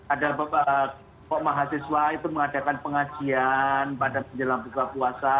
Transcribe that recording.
ada beberapa mahasiswa itu mengadakan pengajian pada menjelang buka puasa